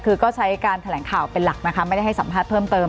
คือก็ใช้การแถลงข่าวเป็นหลักนะคะไม่ได้ให้สัมภาษณ์เพิ่มเติม